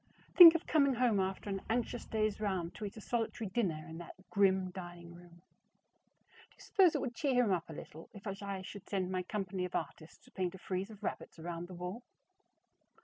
Think of coming home after an anxious day's round to eat a solitary dinner in that grim dining room! Do you suppose it would cheer him up a little if I should send my company of artists to paint a frieze of rabbits around the wall?